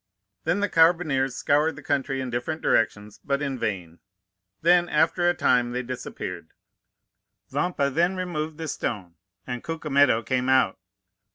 "Then the carbineers scoured the country in different directions, but in vain; then, after a time, they disappeared. Vampa then removed the stone, and Cucumetto came out.